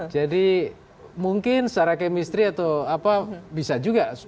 jadi mungkin secara kemistri atau apa bisa juga